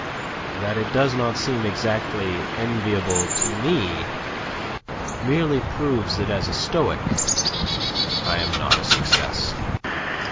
That it does not seem exactly enviable to me merely proves that as a Stoic I am not a success."